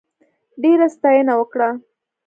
ډېره ستاینه وکړه.